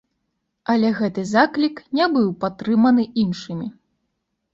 Але гэты заклік не быў падтрыманы іншымі.